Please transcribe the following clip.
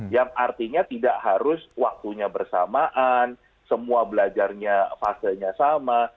yang artinya tidak harus waktunya bersamaan semua belajarnya fasenya sama